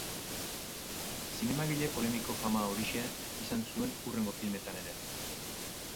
Zinemagile polemiko fama horixe izan zuen hurrengo filmetan ere.